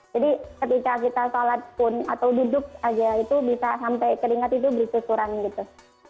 jadi ketika kita shalat pun atau duduk saja itu bisa sampai keringat itu berkisuran gitu